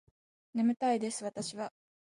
眠たいです私は